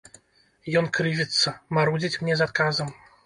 Ён крывіцца, марудзіць мне з адказам.